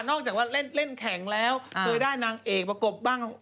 จากว่าเล่นแข่งแล้วเคยได้นางเอกประกบบ้าง